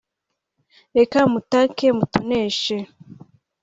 reka mutake mutoneshe